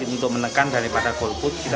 untuk menekan daripada golput